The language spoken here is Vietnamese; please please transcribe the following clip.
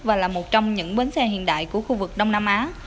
và là một trong những bến xe hiện đại của khu vực đông nam á